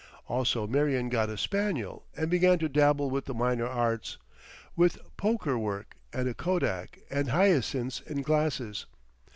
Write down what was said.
Also Marion got a spaniel and began to dabble with the minor arts, with poker work and a Kodak and hyacinths in glasses.